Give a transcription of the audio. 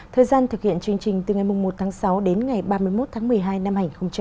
thời gian thực hiện chương trình từ ngày một tháng sáu đến ngày ba mươi một tháng một mươi hai năm hai nghìn hai mươi